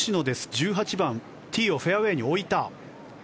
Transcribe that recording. １８番ティーをフェアウェーに置いた。